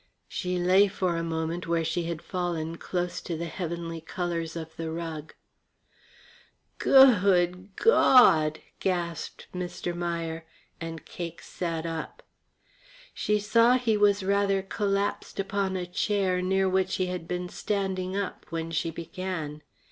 She lay for a moment where she had fallen close to the heavenly colours of the rug. "Goo hood Gaw hud!" gasped Mr. Meier, and Cake sat up. She saw he was rather collapsed upon a chair near which he had been standing up when she began.